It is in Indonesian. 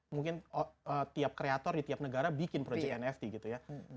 mungkin tiap kreator di tiap negara bikin project nft gitu ya